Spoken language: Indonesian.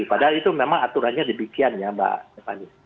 padahal itu memang aturannya demikian ya mbak tiffany